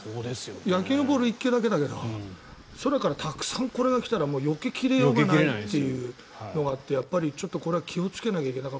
野球ボールは１球だけだけど空からたくさんこれが来たらよけようがないというのがあってやっぱりこれは気をつけないといけない。